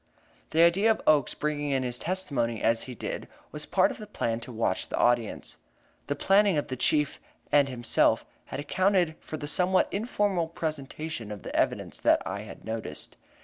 The idea of Oakes bringing in his testimony as he did was part of the plan to watch the audience. The planning of the Chief and himself had accounted for the somewhat informal presentation of the evidence that I had noticed.